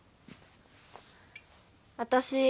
私。